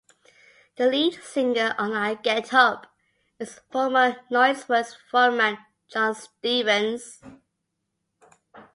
The lead singer on "I Get Up" is former Noiseworks frontman Jon Stevens.